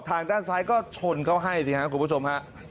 ทางด้านซ้ายก็ชนเขาให้สิครับคุณผู้ชมฮะ